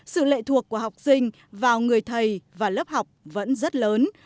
sự lệ thuộc của học sinh vào người thầy và lớp học vẫn rất lớn